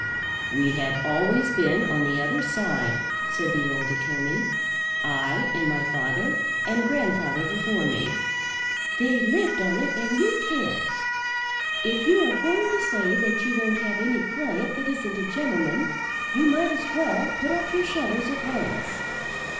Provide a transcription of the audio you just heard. "We have always been on the other side," said the old attorney, "I and my father and grandfather before me." "They lived on it and you can't. If you are going to say that you won't have any client that isn't a gentleman, you might as well put up your shutters at once."